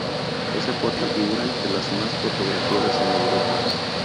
Esa puerta figura entre las más fotografiadas en Europa.